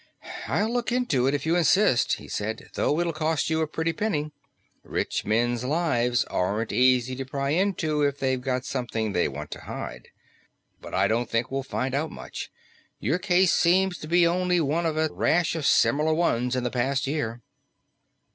"I'll look into it if you insist," he said, "though it'll cost you a pretty penny. Rich men's lives aren't easy to pry into if they've got something they want to hide. But I don't think we'd find out much; your case seems to be only one of a rash of similar ones in the past year."